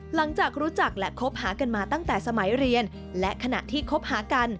หลังจากรู้จักและคบหากันมาตั้งแต่สมัยเรียนและขณะที่คบหากัน